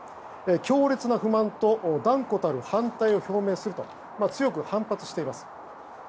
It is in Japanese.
強烈な不満と断固たる反対を表明すると強く反発しています。